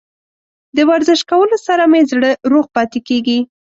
د ورزش کولو سره مې زړه روغ پاتې کیږي.